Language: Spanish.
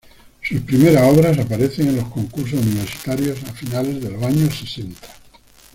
Sus primeras obras aparecen en los concursos universitarios a finales de los años sesenta.